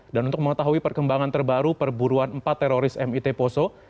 dan untuk mengetahui perkembangan terbaru perburuan empat teroris mit poso